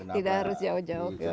tidak harus jauh jauh ke vietnam